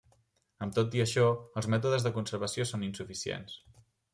Amb tot i això, els mètodes de conservació són insuficients.